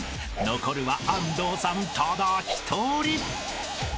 ［残るは安藤さんただ１人］